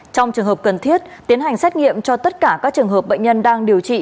trong trường hợp cần thiết tiến hành xét nghiệm cho tất cả các trường hợp bệnh nhân đang điều trị